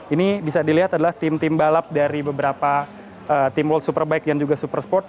ini bisa dilihat adalah tim tim balap dari beberapa tim world superbike dan juga super sport